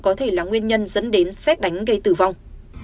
có thể là nguyên nhân dẫn đến xét đánh gây tử vong